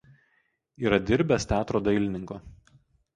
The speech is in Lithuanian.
Yra dirbęs teatro dailininku.